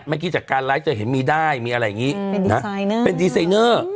เมื่อกี้จากการไลฟ์จะเห็นมีได้มีอะไรอย่างนี้เป็นดีไซเนอร์